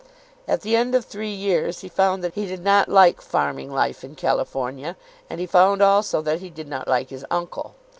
At the end of three years he found that he did not like farming life in California, and he found also that he did not like his uncle.